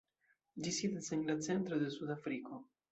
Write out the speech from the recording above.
Ĝi sidas en la centro de Sud-Afriko.